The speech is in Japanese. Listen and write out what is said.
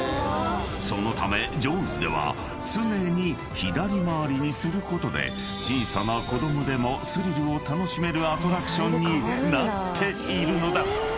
［そのためＪＡＷＳでは常に左回りにすることで小さな子供でもスリルを楽しめるアトラクションになっているのだ］